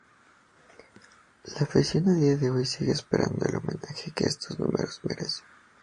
La afición a dia de hoy sigue esperando el homenaje que estos números merecen.